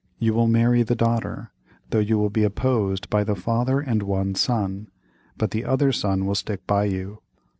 You will marry the daughter, though you will be opposed by the father and one son, but the other son will stick by you.